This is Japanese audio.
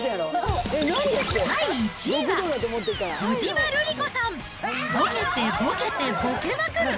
第１位は、小島瑠璃子さん、ボケてボケてボケまくる！